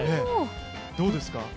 どうですか。